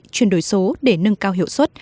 chuyên đổi số để nâng cao hiệu suất